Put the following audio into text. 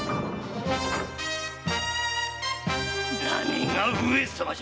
何が上様じゃ！